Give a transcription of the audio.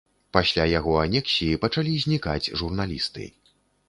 Пасля яго анексіі пачалі знікаць журналісты.